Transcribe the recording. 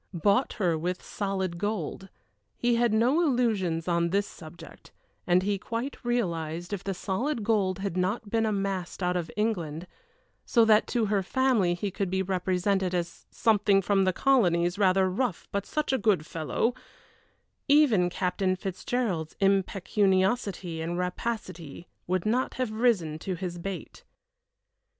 Bought her with solid gold he had no illusions on this subject, and he quite realized if the solid gold had not been amassed out of England, so that to her family he could be represented as "something from the colonies rather rough, but such a good fellow" even Captain Fitzgerald's impecuniosity and rapacity would not have risen to his bait.